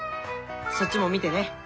そっちも見てね。